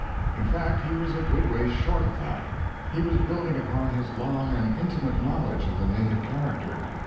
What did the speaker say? In fact, he was a good way short of that. He was building upon his long and intimate knowledge of the native character.